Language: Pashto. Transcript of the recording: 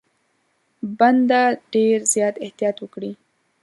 بنده ډېر زیات احتیاط وکړي.